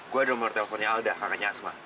gue ada nomor teleponnya alda kakaknya asma